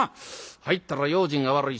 入ったら用心が悪い。